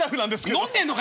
飲んでんのか！